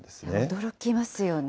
驚きますよね。